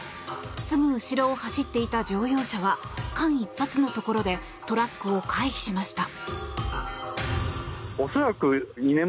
すぐ後ろを走っていた乗用車は間一髪のところでトラックを回避しました。